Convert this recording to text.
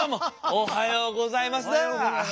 おはようございます。